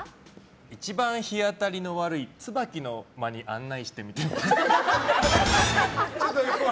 一番日当たりの悪いツバキの間に案内してみては？